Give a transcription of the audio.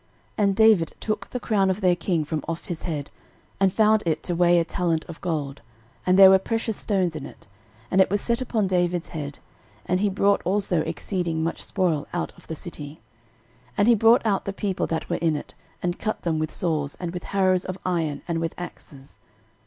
13:020:002 And David took the crown of their king from off his head, and found it to weigh a talent of gold, and there were precious stones in it; and it was set upon David's head: and he brought also exceeding much spoil out of the city. 13:020:003 And he brought out the people that were in it, and cut them with saws, and with harrows of iron, and with axes.